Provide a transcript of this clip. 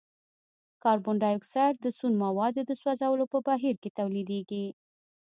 کاربن ډای اکسايډ د سون موادو د سوځولو په بهیر کې تولیدیږي.